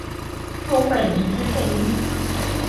骆慧怡之配音组。